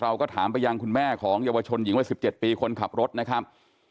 เราก็ถามไปยังคุณแม่ของเยาวชนหญิงวัย๑๗ปีคนขับรถนะครับ